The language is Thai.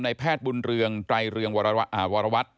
แพทย์บุญเรืองไตรเรืองวรวัตร